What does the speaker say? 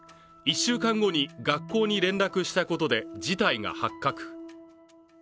１週間後に学校に連絡したことで事態が発覚。